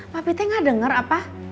papi teh nggak dengar apa